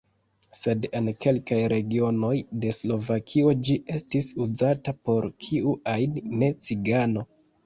Sed en kelkaj regionoj de Slovakio ĝi estis uzata por kiu ajn ne-cigano.